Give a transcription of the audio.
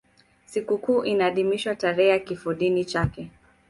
Sikukuu inaadhimishwa tarehe ya kifodini chake.